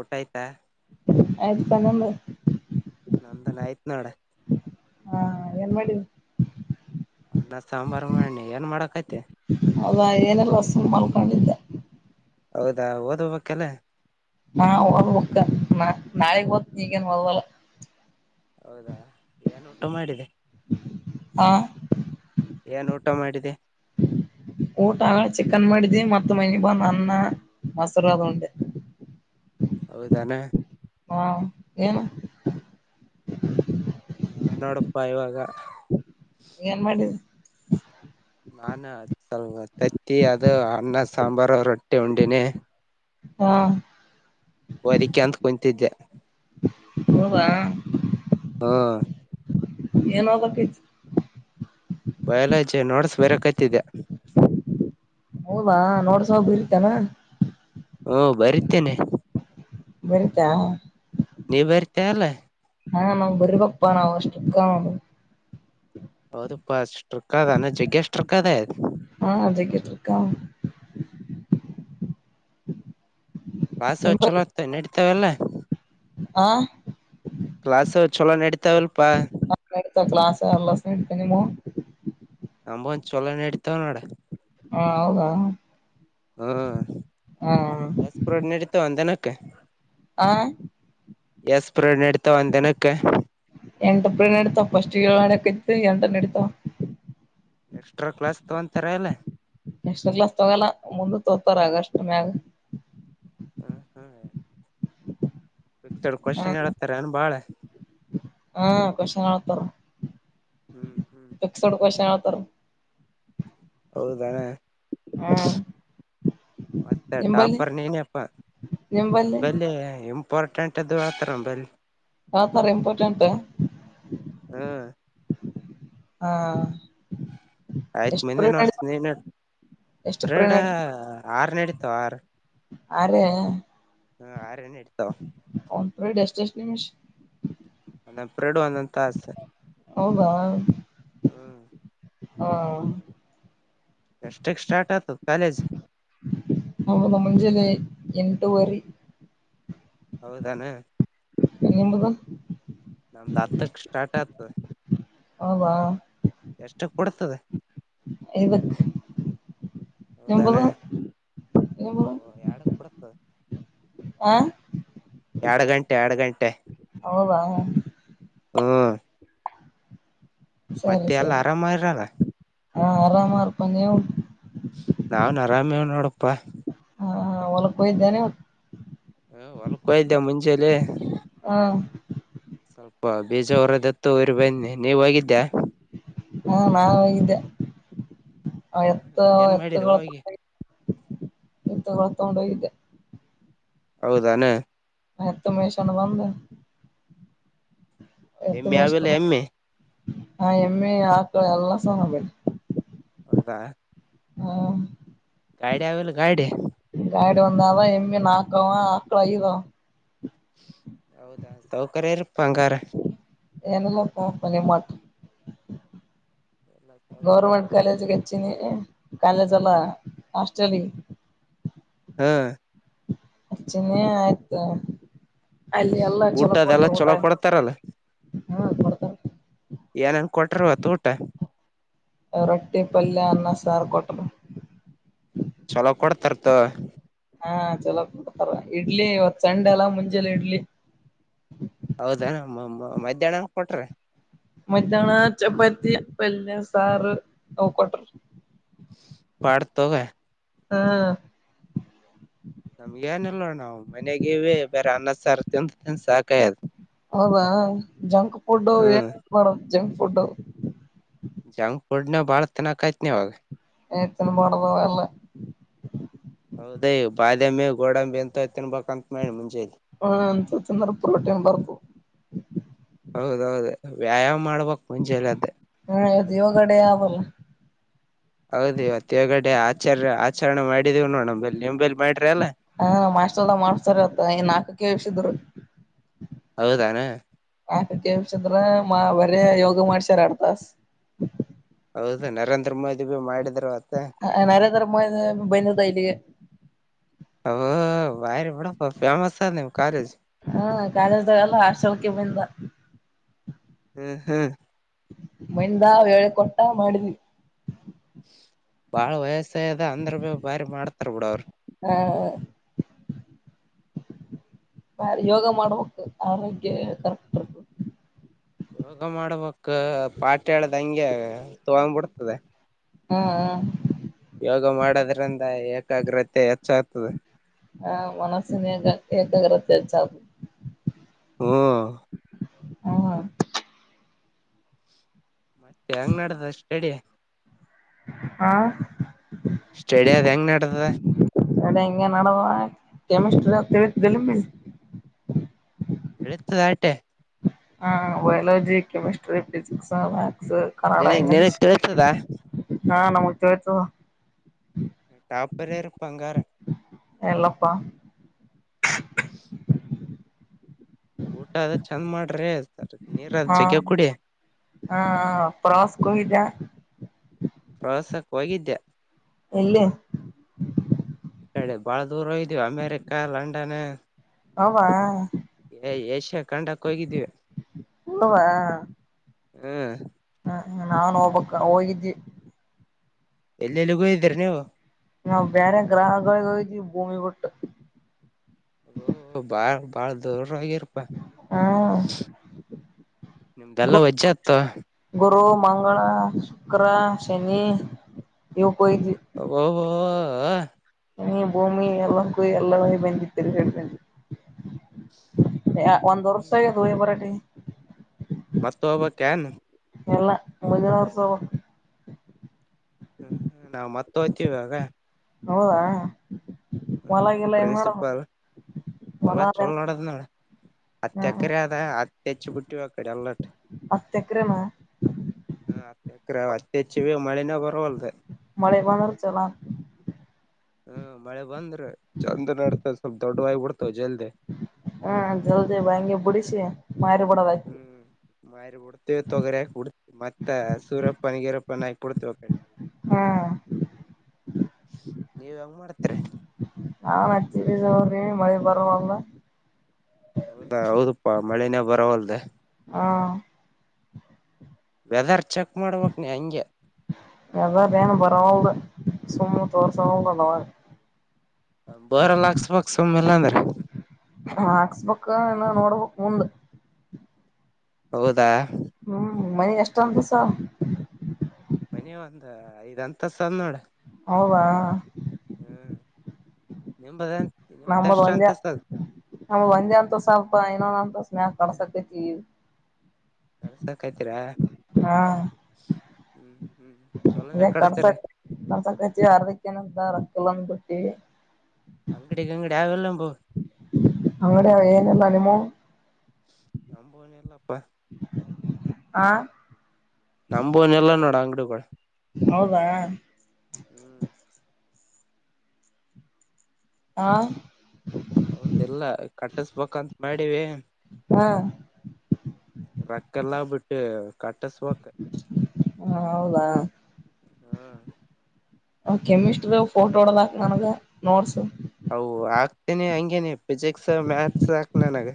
ಊಟಾಯತಾ ಆಯ್ತು ನಿಮ್ದು ನಂದನ್ ಆಯ್ತ್ ನೋಡ ಹಾ, ಏನ್ ಮಾಡದಿ- ನಾನ ಸಾಂಬಾರು ಮಾಡನಿ ಏನ್ ಮಾಡಕತಿ. ಅದ ಏನೆಲ್ಲ ಸುಮ್ಮ ಮಲಳ್ಕೊಂಡಿದ್ದೆ., ಹೌದಾ, ಓದ್ವ ಓಕೆನ ಹಾ, ಓದಬುಕ್ಕ ನಾ, ನಾಳೆಗ್ ಓದ ಇಗೇನ್ ಓದಲ್ಲ. - ಹೌದಾ, ಏನ್ ಊಟ ಮಾಡಿದೆ, - ಹ [inaudible] ಏನ್ ಊಟ ಮಾಡಿದಿ, - ಊಟ ಅಗಳೆಚಿಕನ್ ಮಾಡದವಿ ಮತ್ತು ಮನಿಗ ಬಂದ ಅನ್ನ ಮೊಸರ ದ ಉಂಡೆ. - ಹೌದಾನು. ಹಾ, ಏನು ನಾ ನೋಡಪ್ಪಾ ಇವಾಗ ಏನ್ ಮಾಡಿದಿ. - ನಾನ ಸ್ಲ್ ತತ್ತಿ ಅದು ಅನ್ನ, ಸಾಂಬಾರು, ರೊಟ್ಟಿ ಉಂಡಿನಿ. - ಹಾ,, ಓದಿಕೆ ಅಂತ ಕುಂತಿದ್ದೆ ಹೌದಾ, ಹಾ,, ಏನ ಓದಕತ್ತಿ, ಬಯಾಲಜಿ ನೋಟಸ್ ಬರಕತಿದ್ದ. ಹೌದಾ, ನೋಡ್ಸಬರತೇನ. ಹ್ಮ, ಬರಿತೀನಿ- ಬರಿತಾ ನೀ ಬರ್ತಾ ಇಲ್ಲ. ಹಾ, ನಮ್ ಬರಿ ಪಪ್ಪಾ ನಾವು ಷ್ಟಿಕ್ಕಾನ,. ಹೌದು, [unintelligible] ಬಸ್ ಷ್ಟ್ರಿಕಾದಾನ ಜಗ ಷ್ಟ್ರಿಕ್ ಕಾದಾಯ. ಹಾ ಜಗ್ಗೆ ಸ್ಟ್ರಿಕ್ಟ್ ಲಾಸಚ್ಚೋಲ್ಲ ಎಡಿ [unintelligible] ಮತ್ತೆಅವೆಲ್ಲ. ಆ,, ಕ್ಲಾಸ್ ಛಲೋ ನಡತಾವಲ್., -ಪ್ಪಾಯ, ಕ್ಲಾಸ ಎಲ್ಲಾಸ ನಡಿತವ‌ ನಿಮ್ಮದು. ನಂಬುವು ಚೊಲೋ ನಡತಾವ್ ನೋಡ, - ಹಾ, ಹೌದಾ. ಹ್ಮ ಎಷ್ಟು ಪ್ರಿಯಡ್ ನಡೀತವ ಒಂದು ದಿನ, - ಓಕೆ ಆ,, ಎಸ್ [inaudible] ಒಂದ್ ದಿನಕ್ಕೆ ಎಂಟು ಪ್ರೈಡ್ ನಡಿತಾವ, ಪಷ್ಟಿಗೆಏಳ್, ಎಂಟು [inaudible] ಎಕ್ಸ್ಟ್ರಾ ಕ್ಲಾಸ್ ತಗೊತರ ಇಲ್ಲ. ಎಕ್ಷ್ಟಾಕ್ಲಾಸ್ ತಗೋಲ್ಲ ಮುಂದ ತೋತಾರ ಆಗಷ್ಟ ಮ್ಯಾಗ. - ಹ್ಮ, ಹ್ಮ್,, ಮತ್ತು ಏನ ಕ್ವಷನ್ಹೇಳುತ್ತಾರೇನಬಹಳ. ಹೂ ಪ್ರಶ್ನೆ ಹೇಳುತ್ತಾರೆ ಹ್ಮ್ ಹ್ಮ್ [inaudible] ಪಿಕ್ಸ್ ಪ್ರಶ್ನೆ ಹೇಳುತ್ತಾರೆ ತರಬೇತಿ ಹೌದಣ್ಣ ಮತ್ತೆ ನಿಂಬಲ್ಲಿ ಟಾಪರ್ ನೀನಪ್ಪ ನಿಂಬಲ್ಲಿ ನಂಬಲ್ಲಿ ಇಂಪೋರ್ಟೆಡ್ ಇದ್ದು ಹಾಕ್ ಹಾತರ ಇಂಪಾರ್ಟೆಂಟ್ ಹ್ಮ್ ಹಾ ಐತ್ತು ಎಷ್ಟು ಮುಂದನ್ ಪ್ರೇಡ್ ನಡ ವರ್ಷ ನೀನೆ ಎಷ್ಟು ಪ್ರೇಡ್ ಫ್ರೈಡೇ ನಡ ಆರ ಆರ್ ಅರೆೇ ಹ್ಮ ಆರನೆೆ ಇರ್ತವ ಒಂದು ಪ್ರೈಡ್ ಎಷ್ಟು ಎಷ್ಟು [unintelligible] ಒಂದೊಂದು ಪ್ರೈಡ್ ಒಂದು ತಾಸು ಹೌದಾ ಹ್ಮ್ [inaudible] ಹ ಇಷ್ಕ್ ಸ್ಟಾರ್ಟ್ ಆತ ಕಾಲೇಜ್ ಹೌದು ಮುಂಜಾನೆ ಎಂಟುುವರಿ ಹೌದಾನ ನಿಮ್ಮದು ನಮ್ದ್ ಹತ್ತಕ್ ಸ್ಟಾರ್ಟ್ ಆಗ್ತದೆ ಹೌದ ಐದಕ್ ಹೌದಾನೆ ನಿಂಬುದು ನಿಂಬುದು ನಮ್ದು [inaudible] ಆ ಎರಡು ಗಂಟೆ ಎರಡು ಗಂಟೆ ಹೌದ ಹಾ ಸರಿ ಮತ್ತೆ ಎಲ್ಲ ಸರಿ ಆರಾಮ ಇರಲ್ಲ ಹಾ ಆರಾಮ ನೀವು ನಾವನ್ ಅರಾಮೇವ ನೋಡಪ್ಪ ಹ ಹೊಲಕ್ಕಯ್ದೇನೆ ಹ ಹೊಲ್ಕೋ ಇದ್ದೇ ಮುಂಚೇಲಿ ಹಾ ಸ್ವಲ್ಪ ಬೀಜ ಹೊರದತ್ತು ಊರು ಬನ್ನಿ ನೀವ ಹೋಗಿದ್ದ್ಯಾ ಹಾ ನಾ ಹೊಗಿದ್ದೆ ಎತ್ತು ಏನ್ ಎತ್ತು ಮಾಡಿದ್ವ ಹೋಗಿ ಇಂತ ಹೊ ತಗೊಂಡೋಗಿದ್ದೆ ಹೌದಾನೆ ಮ ತುಮ್ಮಷಣ್ಣಬಂದ ಎಮ ಎ ಅವಲ್ಲ ಎಮ ಎ ಹಾ ಎಮ್ಮೆ ಆಕಳ ಎಲ್ಲ ಸ ನಬೇಡಿ ಹೌದ ಹ್ಮ [unintelligible] ಗಾಡಿ ಅವಲ್ಲ ಗಾಡಿ ಗಾಡಿ ಒಂದ್ ಅವ [unintelligible] ನಾಕವಾ ಆಕ ಐದ ಹೌದಾ ಸೌಕ [unintelligible] ರಪ್ಪಂಗಾರ ಏನಲ್ಲಪ್ಪಪನ್ನ [unintelligible] ಮಾಟ ಎಲ್ಲ ಸೌಕರ್ಯ ಇರಿ. ಗೌರ್ಮೆಂಟ್ ಕಾಲೇಜಿಗೆ ಹೆಚ್ಚಿನಿ ಕಾಲೇಜ್ ಅಲ್ಲ ಹಾಸ್ಟ್ರಲಿಗೆ ಹ್ಮ್ ಅಚೀನಿ ಆಯ್ತ್ ಊಟದೆಲ್ಲ ಚೊಲೋ ಕೊಡ್ತಾರಲ್ಲ. ಹಾ ಕೊಡ್ತಾರಾ. ಏನ್ ಕೊಟ್ರ ಇವತ್ ಊಟ. ರೊಟ್ಟಿ ಪಲ್ಯ ಅನ್ನ ಸಾರು ಕೊಟ್ಟರು. ಚಲೋ ಕೊಡ್ತರ್ತ [unintelligible] ಹಾ ಚಲೋ ಕೊಡ್ತಾರ ಇಡ್ಲಿ ಇವತ್ ಸಂಡೆ ಅಲ್ಲ ಮುಂಜೆಲಿ ಇಡ್ಲಿ. ಹೌದಾ ಮ ಮಧ್ಯಾಹ್ನಂಗ ಕೊಟ್ರ. ಮಧ್ಯಾಹ್ನ ಚಪ್ಪಾತಿ ಪಲ್ಯ ಸಾರು ಅವ್ ಕೊಟ್ಟರ ಪಡ್ತೋಗ [unintelligible] ಹಾ ನಮ್ಗ ಏನಲ್ವಾ ನಾವು ಮನೆಗವಿ ಬರಿ ಅನ್ನಸರ್ ತಿಂದ್ ತಿಂದ್ ಸಾಕಾಯದ. ಹೌದ ಜಂಕ್ ಫುಡ್ ಏನ್ ಹ್ಮ್ ಮಾಡ [unintelligible] ಜಂಕ್ ಫುಡ್ಡು. ಜಂಕ್ ಫುಡ್ ನ ಬಾಳತನಕಯತ್ನ [unintelligible] ಇವಾಗ. [unintelligible] ಹೌದೇ ಬಾದಾಮಿ ಗೋಡಂಬಿ ಎಂತ ತಿನ್ಬೇಕಂತ ಮಾಡಿ ಮುಂಜೆ. [unintelligible] ಪ್ರೋಟನ್ ಬರ್ಕು. ಹೌದೌದು ವ್ಯಾಯಾಮ ಮಾಡ ಬೇಕ್ ಮುಂಜೇದ್ದು. [unintelligible] ಹಾ ಇವತ್ತು ಯೋಗ ಡೇ ಅವಲ್ಲ [unintelligible] ಹೌದು ಇವತ್ತ ಹೊಗಡೆ ಆಚಾರ್ಯ ಆಚರಣೆ ಮಾಡಿದವು ನೋ [unintelligible] ಹ [unintelligible] ಹೌದಾನ ಯಾಕ [unintelligible] ಯೋಗ ಮಾಡ್ಸಾರ ಎರಡ್ ತಾಸ್ ಹೌದಾ ನರೇಂದ್ರ ಮೋದಿ ಬಿ ಮಾಡಿದ್ರ ಆ ನರೇಂದ್ರ ಮೋದಿ ಬಂದಿದ್ದ [unintelligible] ಇಲ್ಲಿಗೆ ಬರೆ [unintelligible] ಬಿಡಪ್ಪ ಫೇಮಸ್ ಅದ ನಿಮ್ ಕಾಲೇಜ್ ಹ್ಮ ಕಾಲಜ್ದಾಗ [unintelligible] ಎಲ್ಲ ಆಶ್ರಮಕ್ಕೆ ಬಂದಿದ್ದ. [unintelligible] ಬಂದ [unintelligible] ಹೇಳ ಕೊಟ್ಟ ಮಾಡಿದ್ವಿ. ಬಾಳ ವಯಸ್ಸದ ಅಂದ್ರ ಭ ಭಾರಿ ಮಾಡ್ತಾರ ಬಿಡ ಅವರು. ಆ ಬ [unintelligible] ಯೋಗ ಮಾಡ್ಬೇಕು ಆರೋಗ್ಯ ಕರೆಕ್ಟ್ಬೇಕು. ಯೋಗ ಮಾಡಬೇಕ ಪಾಠ ಹೇಳ್ದ ಹಂಗೆ ತಗೊಂಡ್ಬಿಡ್ತದೆ. ಹಾ ಹ ಯೋಗ ಮಾಡೋದ್ರಿಂದ ಏಕಾಗ್ರತೆ ಹೆಚ್ಚಾಗ್ತದೆ. ಆ ಮನಸ್ಸಿನ ಏಕ್ ಏಕಾಗ್ರತೆ ಎಚ್ಚಾತದೆ ಹೂ ಹೂ ಮತ್ತೆ ಹೆಂಗ್ ನಡಿತದ ಸ್ಟಡಿ ಹಾ ಸ್ಟೇಡಿಯದ್ ಹೆಂಗ್ ನಡಿತದೆ ಅದ್ ಇಂಗೆ ನಡೆದ ಕೆಮಿಸ್ಟ್ರಿ ತಿಳಿತ ದಿಲ್ [inaudible] ತಿಳತದ್ ಆಯ್ಟೆ ಹಾ ಬಯೋಲಜಿ, ಕೆಮಿಸ್ಟ್ರಿ, ಫಿಸಿಕ್ಸು. ನೀನೀಗ್ ನೀನಗ್ ತಿಳಿತದ? ಹಾ ನಮಗ್ ತಿಳಿತದ ಟಾಪರ್ ಯಾರಪ್ಪ ಅಂಗಾರೆ ಎಲ್ಲಪ್ಪಾ. [inaudible] ಊಟದ್ ಚಂದ್ ಮಾಡ್ರಿ [unintelligible] ಹಾ ಜಗ್ಗೆ ಕುಡಿ ಹ ಪ್ರಾಸ್ಗೋಗಿದ್ಯಾ? ಪ್ರವಾಸಕ್ ಹೋಗಿದ್ದೆ ಎಲ್ಲಿ [inaudible] ಬಾಳ್ ದೂರ್ ಹೋಗಿದ್ವಿ ಅಮೇರಿಕಾ, ಲಂಡನು ಅವ್ವಾ ಇದೆ ಏಶ್ಯ ಕಂಡಕ್ ಹೋಗಿದ್ವಿ ಹವಾ ಹು ನಾನ್ ಹೋಬೇಕ ಹೋಗಿದ್ದಿ ಎಲ್ಲೆಲ್ಲಿಗ್ ಹೋಗಿದ್ರಿ ನೀವು ನಾವ್ ಬ್ಯಾರೆ ಗ್ರಹಗಳ್ಗ್ ಹೋಗಿದ್ವಿ ಭೂಮಿ ಬುಟ್ಟು ಓ ಓ ಬಾ ಬಾಳ ದೂರ್ [unintelligible] ಹ್ಮ ನಿಮ್ದೆಲ್ಲ ವಜ್ಜಾತ್ತು ಗುರು ಮಂಗಳ, ಶುಕ್ರ, ಶನಿ ಹೋಗಿದ್ವಿ ಅವ್ ಅವ್ವ್ ಹಾ ನೀ ಭೂಮಿ ಎಲ್ಲಕ್ಕೂ ಎಲ್ಲ ಹೋಗ್ ಬಂದ್ವಿ ತಿರ್ಗಾಡ್ಕಂಡು ಒಂದ್ ವರ್ಷ ಆಗದ್ ಹೋಗಿ ಬರೋಟ್ಟಗೆ. ಮತ್ ಹೋಗ್ಬಕ್ ಕ್ಯಾನು. ಇಲ್ಲ ಮುಂದಿನ್ ವರ್ಸ ಓಬಕು ಹ್ಮ್ ಹ್ಮ್ ನಾವ್ ಮತ್ ಹೋಗ್ತಿವ್ [unintelligible] ಹೌದಾ ಹ್ಮ್ ಹೊಲಗಿಲ್ಲ ಹೆಂಗ್ ನೋಡೋದು ಪ್ರಿನ್ಸಿಪಲ್ ಹೊಲ ಅಲ್ಲಾ ಚಲೋ ಹೆಂಗ್ ನಡದದ ನೋಡ್. ಹತ್ತ ಹ್ಮ್ ಎಕರೆ ಅದ ಹತ್ತಿ ಹಚ್ಚಿ ಬಿಟ್ಟಿವಿ ಅಕಡಿ ಎಲ್ಲಟ್ಟ ಹತ್ತ್ ಎಕ್ರೆನ ಹ್ಮ್ ಅದ್ಕೆ. ಎಕ್ರೆ ಅವ ಹತ್ತಿ ಹಚ್ಚಿವಿ ಮಳಿನ ಬರವಲ್. ಮಳಿ ಬಂದ್ರ ಚಲೋ ಆತದ್. ಹ್ಮ ಮಳೆ ಬಂದ್ರ ಚಂದ ನಡ್ತದ ಸ್ವಲ್ಪ ದೊಡ್ಡು ಆಗಿ ಬಿಡ್ ಹ್ಮ ಜಲ್ದಿ ಬಾಯಂಗಿ ಬುಡುಸಿ. ಛೆ ಮಾರಿ ಬುಡೊದು ಅಷ್ಟೇ. ಹ್ಮ್ ಮಾರಿ ಬುಡ ಮತ್ತೆ ತೋಗ್ಯರ್ಯಗ ಹುಡ್ ಮತ್ತ ಸುರಪನ್ ಗೀರಪ್ಪನ ಹಾಕಿ ಬುಡ್ತೀವಿ ಅಕಡಿ ಹ್ಮ್ ನೀವ ಹೆಂಗ ಮಾಡ್ತೀರಿ. ಹತ್ತಿ ಬೀಜ ಉರಿನಿ ಮಳಿ ಬರವಲದ. ಮಳೆನೇ ಬರವಲ್ಲದ. ಹಾ ವೆದರ್ ಚೆಕ್ ಮಾಡ್ಬೇಕ್ ನೀ ಹಂಗೆ. ವೇದರ್ ಏನ ಬರವಲದ ಸುಮ್ಮ್ ತೋರ್ಸವಲ್ದ ಅದು ಅವಾಗ್. ಅಂದ್ ಬೋರಲ್ ಹಾಕ್ಸಬೇಕ್ ಸುಮ್ಮ ಇಲ್ಲಾ ಅಂದ್ರೆ. ಕ್ಕ ನಾ ನೋಡಬೇಕ್ ಮುಂದ. ಹೌದಾ. ಮನಿ ಎಷ್ಟ ಅಂತಸ್ ಆದ್. ಮನಿ ಒಂದ ಐದ್ ಅಂತಸ್ ಅದ್ ನೋಡ್. ಹೌದಾ ಹ್ಮ್ ನಿಂಬದ. ನಮ್ದ ಒಂದೆ ನಮ್ದ ಒಂದೆ ಅಂತಸ್ತ ಆದ ಪಾ ಇನ್ನೊಂದ ಅಂತಸ್. ಮ್ಯಾಗ ಕಟ್ಸಾತೈತಿ ಈಗ. ಕಡಸಕೈತಿರಾ ಹಾ ಹ್ಮ್ ಹ್ಮ್ ಚಲೋನೆ ಈದೆ ಕಡಸ್ತೀರಿ ಕಡ್ಸತ್ ಕಡ್ಸಾಕತಿವಿ ಅರ್ದಕ್ಕೇನೋ ಫಸ್ಟ್ ತೊಗೊಂಡ ಬುಟ್ಟಿವಿ. ಅಂಗಡಿ ಗಿಂಗಡಿ ಆವ್ ಇಲ್ಲ ನಿಂಬು. ಅಂಗಡಿ ಅವು ಏನಿಲ್ಲ ನಿಮ್ಮು. ನಮ್ಮೂನು ಇಲ್ಲಪ್ಪಾ. ಆ ನಮ್ಮೂನು ಇಲ್ಲ ನೋಡ್ ಅಂಗಡಿಗೋಳ. ಹೌದಾ. ಹ್ಮ್ ಆ ಕಟ್ಟಸಬೋಕ್ ಅಂತ್ ಮಾಡಿವಿ. ಹಾ ರಕ್ಕಿಲ್ಲ ಬಿಟ್ಟಿವು ಕಟ್. ಹಾ ಹೌದಾ. ಹ್ಮ್ ಆ ಕೆಮಿಸ್ಟ್ರ ಫೋಟೋ ಹೊಡದಕ್ ನನಗ ನೋಟ್ಸ್. ಅವು ಆಗ್ತೇನೀ ಹಂಗೇ ನೀವ್ ಫಿಸಿಕ್ಸ್ ಮ್ಯಾಥ್ಸ್ ಹಾಕ ನನಗೆ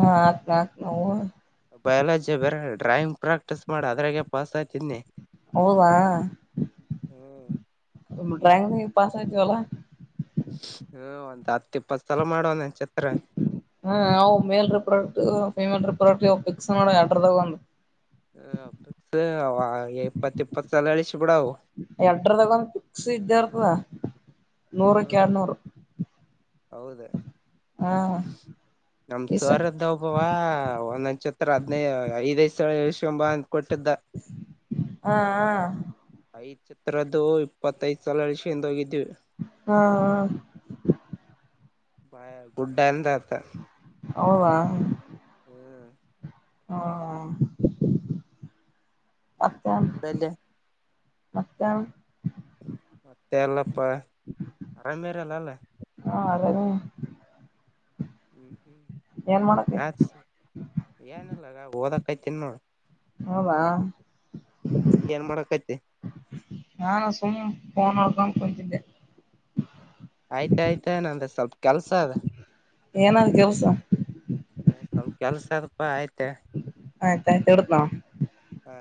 ಹಾ ಹಾಕ್ತಾ ಹಾಕ್ತೀನಿ ನಾವು ಬಯೋಲಜಿ ಬೇರ ಡ್ರಾಯಿಂಗ್ ಪ್ರಾಕ್ಟೀಸ್ ಮಾಡ ಅದ್ರಾಗೆ ಪಾಸ್ ಆಯ್ತಿನಿ. ಹೌದಾ ಹ್ಮ್ ಡ್ರಾಯಿಂಗ ನಗ ಪಾಸ ಆಯತಿ ಅಲಾ ಹ್ಮ ಒಂದ ಹತ್ತು ಇಪ್ಪತ್ತು ಸಲ ಮಾಡೋವನೇ ಹಾ ಅವು ಮೇಲ್ರ ಪ್ರಾಡಕ್ಟ್ ಪೇಮೆಂಕ್ಟ್ ಪರ್ಮನೆಂಟ್ ಫಿಕ್ಸ್ ಮಾಡೋ ಎರಡರಲ್ಲಿ ಒಂದು ಹ ಅವ ಇಪ್ಪತ್ ಇಪ್ಪತ್ ಸಲ ಹೇಳಿಸ್ ಬಿಡವು ಎರಡ್ರದಾಗ ಒಂದು ಫಿಕ್ಸ್ ಇದ್ದೇ ಇರ್ತದ ನೂರಕ್ಕೆ ಹ್ಮ್ ಹೆರಡುನೂರ್ ಹೌದ ನಮ್ ಇಸ ಸರ್ದು ಒಬ್ಬವ ಒಂದ್ [unintelligible] ಚಿತ್ರ ಹದಿನೈದು ಐದು ಐದು ಸಲ ಎಳ್ಸ್ಕೊಂಬ ಕೊಟ್ಟಿದ್ದ. ಹಾ ಹ ಐದು ಚಿತ್ರದದು ಇಪ್ಪತ್ತೈದು ಸಾಲ್ ಹೇಳುಸ್ಕೊಂಡು ಹೋಗಿದ್ವಿ. ಇಷ್ಟ ಹಾ ಹಾ ಹ ಬಾಯ [unintelligible] ಗುಡ್ ಅಂದ ಆತ ಹವಾವ ಹ್ಮ್ ಹಾ [unintelligible] ಮತ್ತೇನ್. ನಿಂಬಲ್ಲಿ ಮತ್ತ ಮತ್ತೆ ಎಲ್ಲಪ್ಪ ಅರಾಮ್ಯರಲ್ಲ ಎಲ್ಲಾ. ಹಾ [unintelligible] ಅದದೇ ಹ್ಮ್ ಹ್ಮ್ ಏನ್ ಮಾಡಕ್ಕೆ ಮ್ಯಾಥ್ಸ್ ಏನಿಲ್ಲ ಓದಕ್ಯ್ತಿನ್ ನೋಡು ಹಬಾ ನೀ ಏನ್ ಮಾಡಕೈತಿ ನಾನಾ ಸುಮ್ನಾ ನೋಕನ್ ಕೊಯಿದ್ದಿದ್ದೆ ಆಯ್ತಾಯ್ತಾ ನಂದ ಸ್ವಲ್ಪ ಕೆಲ್ಸ ಇದೆ ಏನ ದಿವ್ಸ ಸ್ವಲ್ಪ ಕೆಲ್ಸ ಆಯ್ತ ಆಯ್ತಾಯತರ್ತಾ ಹಾ